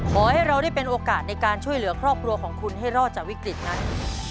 ขอให้เราได้เป็นโอกาสในการช่วยเหลือครอบครัวของคุณให้รอดจากวิกฤตนั้น